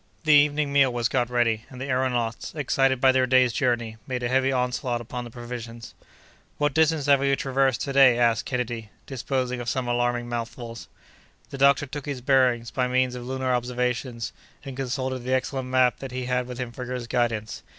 The evening meal was got ready, and the aëronauts, excited by their day's journey, made a heavy onslaught upon the provisions. "What distance have we traversed to day?" asked Kennedy, disposing of some alarming mouthfuls. The doctor took his bearings, by means of lunar observations, and consulted the excellent map that he had with him for his guidance.